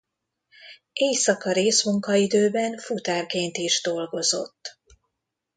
Éjszaka részmunkaidőben futárként is dolgozott.